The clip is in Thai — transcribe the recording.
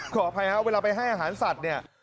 ขออภัยครับเวลาไปให้อาหารสัตว์เนี่ย